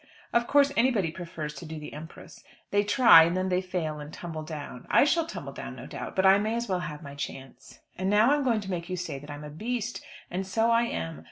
Of course, anybody prefers to do the empress. They try, and then they fail, and tumble down. I shall tumble down, no doubt; but I may as well have my chance. And now I'm going to make you say that I'm a beast. And so I am.